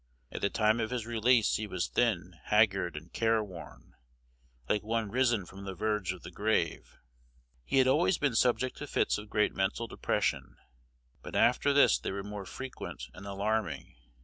At the time of his release he was thin, haggard, and careworn, like one risen from the verge of the grave. He had always been subject to fits of great mental depression, but after this they were more frequent and alarming.